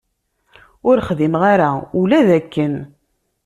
Ur xdimeɣ ara ula d akken.